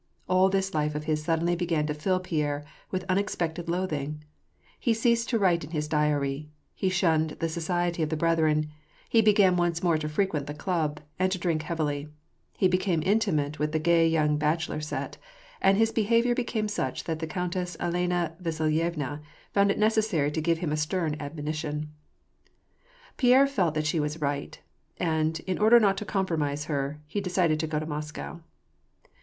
And this life of his suddenly began to fill Pierre with unexpected loathing : he ceased to write in his diary ; he shunned the society of the Brethren ; he began once more to frequent the club, and to drink heavily; he became intimate with the gay young bache lor £ret ; and his behavior became such that the Countess Elena Vasilyevna found it necessary to give him a stern admonition. Pierre felt that she was right ; and, in order not to compro mise her, he decided to go to Moscow.